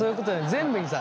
全部にさ